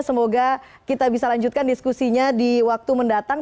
semoga kita bisa lanjutkan diskusinya di waktu mendatang